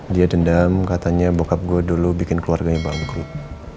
dia dendam katanya bockup gue dulu bikin keluarganya bangkrut